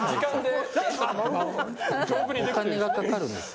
お金がかかるんですよ。